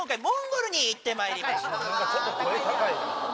なんかちょっと声高いな。